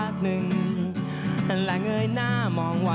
สนุนโดยอีซุสุสุข